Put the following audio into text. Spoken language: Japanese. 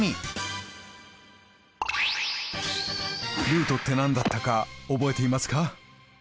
ルートって何だったか覚えていますか？